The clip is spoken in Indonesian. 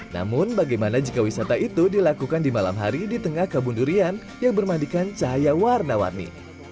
namun bagaimana jika wisata itu dilakukan di malam hari di tengah kebun durian yang bermandikan cahaya warna warni